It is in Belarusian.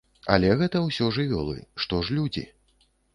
Але гэта ўсё жывёлы, што ж людзі?